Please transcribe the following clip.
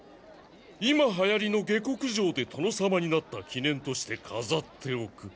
今はやりの下克上で殿様になった記念としてかざっておく。